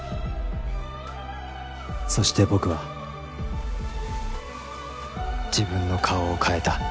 そして僕は自分の顔を変えた。